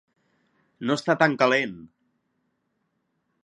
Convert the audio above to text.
No està tan calent!